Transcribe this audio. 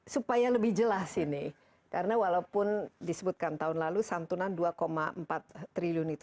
supaya lebih jelas ini karena walaupun disebutkan tahun lalu santunan dua empat triliun itu